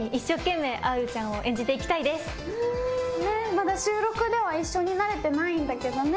まだ収録では一緒になれてないんだけどね